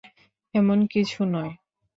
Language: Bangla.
এমন কিছু নয়।